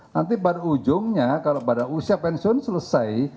nanti pada ujungnya kalau pada usia pensiun selesai